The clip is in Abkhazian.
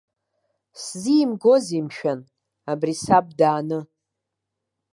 Сзимгозеи, мшәан, абри саб дааны?